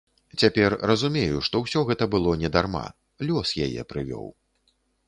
Цяпер разумею, што ўсё гэта было не дарма, лёс яе прывёў.